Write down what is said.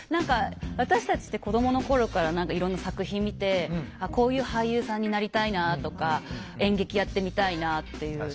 私たちって子どもの頃からいろんな作品見てこういう俳優さんになりたいなとか演劇やってみたいなっていう。